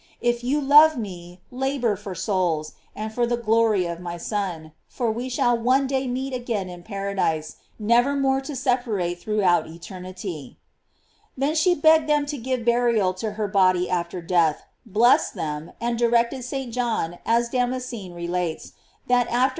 If you love me, labor for souls, and for the glory of my Son; for we shall one day meet again in paradise, never more to separate throughout eternity." Then she begged them to give burial to her body after death, blessed them, and directed St. * Orat. de Ass. Virg. 488 GLOEIES OF MAKY. John, as Damascene relates,* that after he!